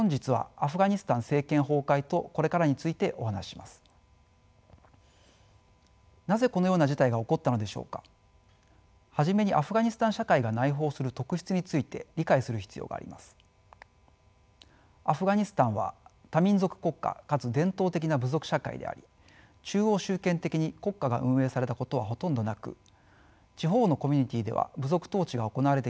アフガニスタンは多民族国家かつ伝統的な部族社会であり中央集権的に国家が運営されたことはほとんどなく地方のコミュニティーでは部族統治が行われてきました。